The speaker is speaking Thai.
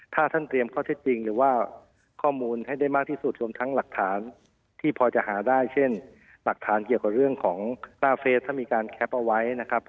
ถ้าท่านเตรียมข้อเท็จจริงหรือว่าข้อมูลให้ได้มากที่สุดรวมทั้งหลักฐานที่พอจะหาได้เช่นหลักฐานเกี่ยวกับเรื่องของหน้าเฟสถ้ามีการแคปเอาไว้นะครับ